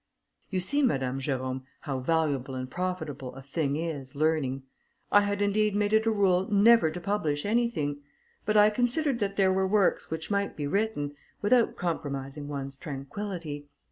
You see, Madame Jerôme, how valuable and profitable a thing is learning. I had indeed made it a rule never to publish anything; but I considered that there were works which might be written, without compromising one's tranquillity.